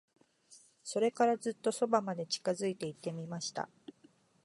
それから、ずっと側まで近づいて行ってみました。